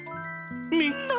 みんな！